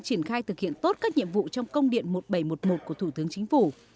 triển khai thực hiện tốt các nhiệm vụ trong công điện một nghìn bảy trăm một mươi một của thủ tướng chính phủ